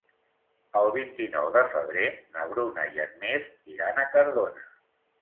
El vint-i-nou de febrer na Bruna i en Mirt iran a Cardona.